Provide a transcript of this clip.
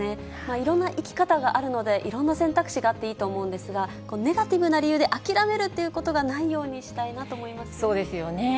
いろんな生き方があるので、いろんな選択肢があっていいと思うんですが、ネガティブな理由で諦めるということがないようにしたいなと思いそうですよね。